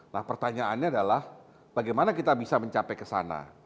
nah pertanyaannya adalah bagaimana kita bisa mencapai ke sana